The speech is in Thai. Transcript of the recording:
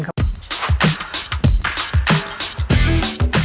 กว่าจะมาเป็นแบรนด์ราคาหรอกก็ขายเสื้อผ้ามือถูกเฉาะไปก่อนก่อนครับ